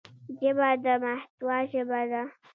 ژبه د محتوا ژبه ده